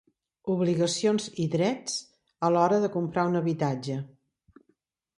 Obligacions i drets a l'hora de comprar un habitatge.